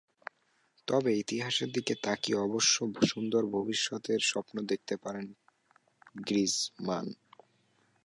তবে ইতিহাসের দিকে তাকিয়ে অবশ্য সুন্দর ভবিষ্যতের স্বপ্ন দেখতে পারেন গ্রিজমান।